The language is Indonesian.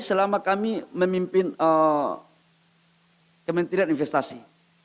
selama kami memimpin kementerian investasi